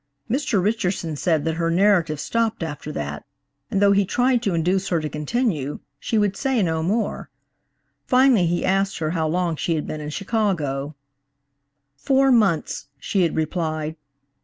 Mr. Richardson said that her narrative stopped after that, and though he tried to induce her to continue, she would say no more. Finally he asked her how long she had been in Chicago. 'Four months' she had replied.